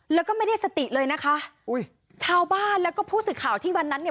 แล้วก็ไม่ได้สติเลยนะคะอุ้ยชาวบ้านแล้วก็ผู้สื่อข่าวที่วันนั้นเนี่ย